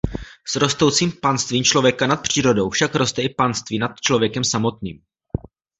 S rostoucím panstvím člověka nad přírodou však roste i panství nad člověkem samotným.